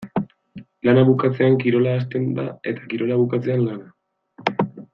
Lana bukatzean kirola hasten da eta kirola bukatzean lana.